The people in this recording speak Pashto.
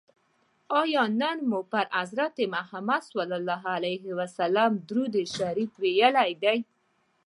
آیا نن مو پر حضرت محمد صلی الله علیه وسلم درود شریف ویلي دی؟